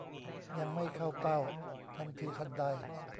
ยังไม่เข้าเป้าทันทีทันใด